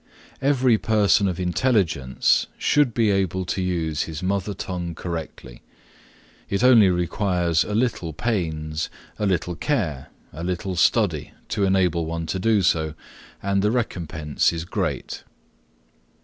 Every person of intelligence should be able to use his mother tongue correctly. It only requires a little pains, a little care, a little study to enable one to do so, and the recompense is great.